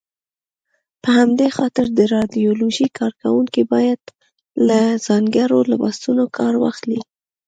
په همدې خاطر د راډیالوژۍ کاروونکي باید له ځانګړو لباسونو کار واخلي.